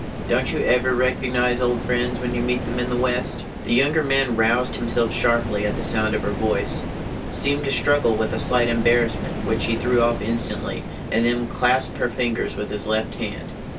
Don't you ever recognize old friends when you meet them in the West?" The younger man roused himself sharply at the sound of her voice, seemed to struggle with a slight embarrassment which he threw off instantly, and then clasped her fingers with his left hand.